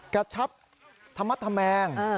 กระชับธรรมธแมง